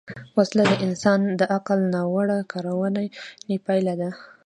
وسله د انسان د عقل ناوړه کارونې پایله ده